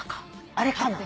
あれかな。